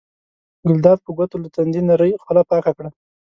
ګلداد په ګوتو له تندي نرۍ خوله پاکه کړه.